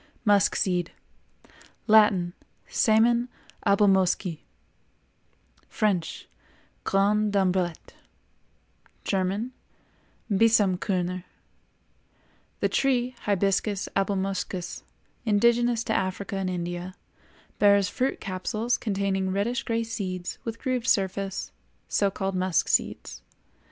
MUSK SEED. Latin—Semen Abelmoschi; French—Grains d'ambrette; German—Bisamkörner. The tree, Hibiscus Abelmoschus, indigenous to Africa and India, bears fruit capsules containing reddish gray seeds with grooved surface, so called musk seeds.